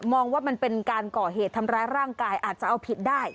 ว่ามันเป็นการก่อเหตุทำร้ายร่างกายอาจจะเอาผิดได้